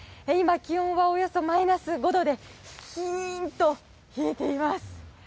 今、気温はおよそマイナス５度でキーンと冷えています。